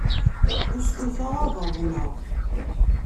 Ur stufaɣ ad aḍneɣ.